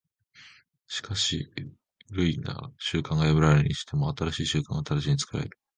しかし旧い習慣が破られるにしても、新しい習慣が直ちに作られる。